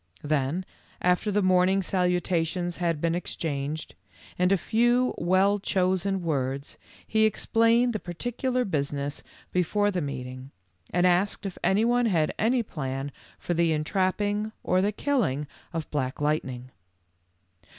Then, after the morning salutations had been exchanged, in a few well chosen words, he explained the particular business before the meeting, and asked if any one had any plan for the entrapping or the killing of Black Light ning.